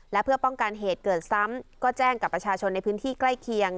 และเพื่อป้องกันเหตุเกิดซ้ำก็แจ้งกับประชาชนในพื้นที่ใกล้เคียง